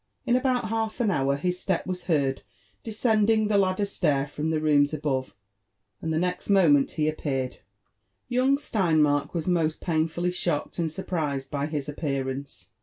In about half an hour his step was heard descending the ladder stair from the rooms above, and the next moment he appeared. JONATHAN JBFFER80N WHITLAW. S9S Young Steidmark was mott painfully shocked and surprised by his appearance.